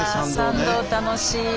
参道楽しい。